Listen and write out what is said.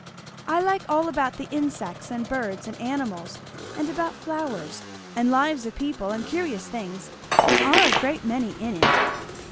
"I like all about the insects, and birds and animals; and about flowers, and lives of people, and curious things. There are a great many in it."